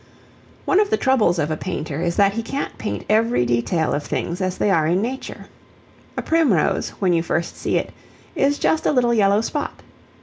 One of the troubles of a painter is that he can't paint every detail of things as they are in nature. A primrose, when you first see it, is just a little yellow spot.